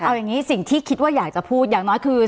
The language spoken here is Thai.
เอาอย่างนี้สิ่งที่คิดว่าอยากจะพูดอย่างน้อยคือ